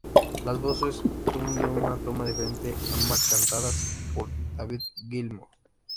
Las voces son de una toma diferente, ambas cantadas por David Gilmour.